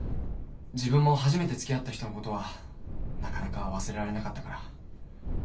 自分も初めて付き合った人のことはなかなか忘れられなかったから。